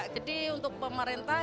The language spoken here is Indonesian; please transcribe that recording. jadi untuk pemerintah